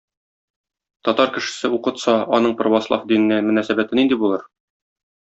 Татар кешесе укытса, аның православ диненә мөнәсәбәте нинди булыр?